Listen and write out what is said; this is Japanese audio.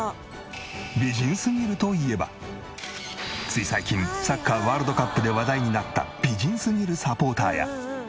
つい最近サッカーワールドカップで話題になった美人すぎるサポーターや。